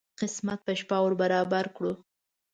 قسمت په شپه ور برابر کړو.